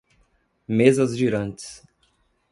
Mesas girantes